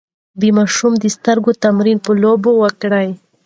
د ماشوم د سترګو تمرين په لوبو وکړئ.